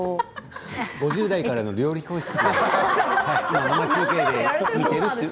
５０代からの料理教室です。